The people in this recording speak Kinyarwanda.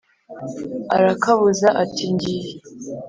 arakabuza ati: “ngiye